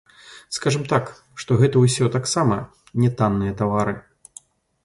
Скажам так, што гэта ўсё таксама не танныя тавары.